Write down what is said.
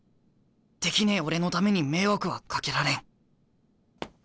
できねえ俺のために迷惑はかけられん。